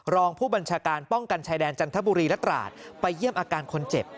รองผู้บัญชาการป้องกันชายแดนจันทบุรีและตราดไปเยี่ยมอาการคนเจ็บ